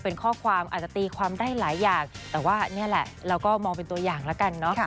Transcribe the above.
เป็นข้อความอาจจะตีความได้หลายอย่างแต่ว่านี่แหละเราก็มองเป็นตัวอย่างแล้วกันเนอะ